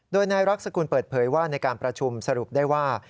โดยนายรักษกุลเปิดเผยว่าในการประชุมสรุปได้ว่า